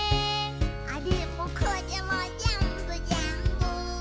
「あれもこれもぜんぶぜんぶ」